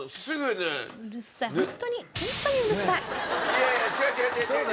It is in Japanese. いやいや違う違う違う違う。